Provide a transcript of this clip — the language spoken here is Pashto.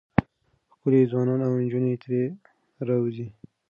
ښکلي ځوانان او نجونې ترې راوځي.